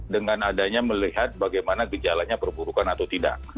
dengan adanya melihat bagaimana gejalanya perburukan atau tidak